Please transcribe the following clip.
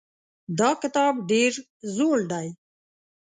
دا کتاب ډېر زوړ دی.